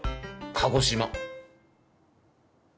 鹿児島。